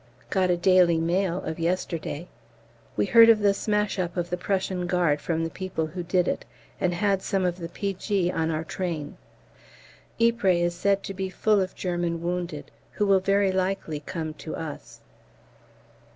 Got a 'Daily Mail' of yesterday. We heard of the smash up of the Prussian Guard from the people who did it, and had some of the P.G. on our train. Ypres is said to be full of German wounded who will very likely come to us.